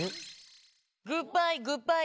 「グッバイグッバイ」